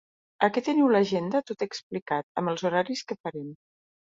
Aquí teniu l'agenda tot explicat, amb els horaris que farem.